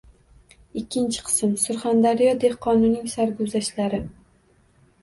Ikkinchi qism. Surxondaryo dehqonining sarguzashtlari